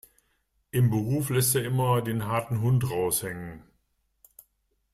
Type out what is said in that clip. Im Beruf lässt er immer den harten Hund raushängen.